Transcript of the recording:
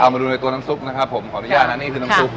มาดูในตัวน้ำซุปนะครับผมขออนุญาตนะนี่คือน้ำซุป